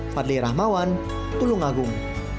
fadli rahmawan tiong agung